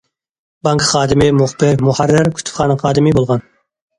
بانكا خادىمى، مۇخبىر، مۇھەررىر، كۇتۇپخانا خادىمى بولغان.